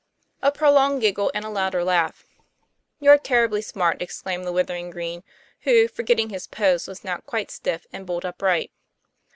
A prolonged giggle and a louder laugh. " You're terribly smart," exclaimed the withering Green, who, forgetting his pose, was now quite stiff and bolt upright.